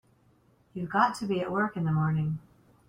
You've got to be at work in the morning.